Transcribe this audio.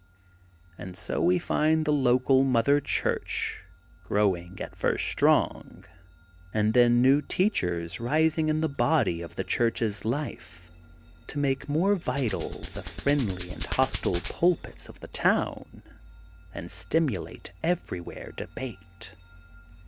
And so we find the local Mother Church growing at first strong, and THE GOLDEN BOOK OF SPRINGFIELD 288 then new teachers rising in the body of the Church 's life to make more vital the friendly and hostile pulpits of the town, and stimulate everywhere debate.